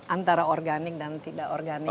antara organik dan tidak organik